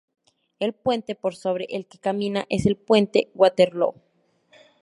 El puente por sobre el que camina es el puente Waterloo.